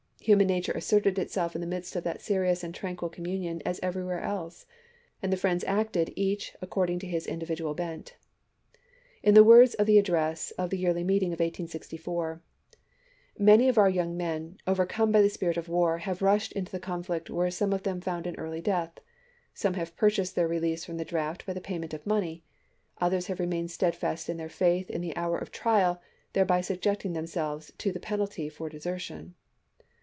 Human nature asserted itself in the midst of that serious and tranquil communion as everywhere else, and the Friends acted each accord ing to his individual bent. In the words of the address of the Yearly Meeting of 1864 :" Many of our young men, overcome by the spirit of war, have rushed into the conflict where some of them found an early death, some have purchased their release from the draft by the payment of money ; others have remained steadfast to their faith in the hour of trial, thereby subjecting themselves to the penalty for desertion."